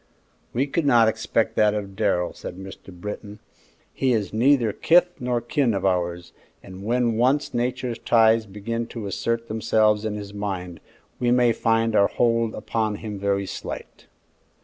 "We could not expect that of Darrell," said Mr. Britton. "He is neither kith nor kin of ours, and when once Nature's ties begin to assert themselves in his mind, we may find our hold upon him very slight."